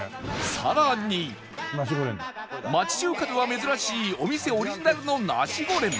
さらに町中華では珍しいお店オリジナルのナシゴレン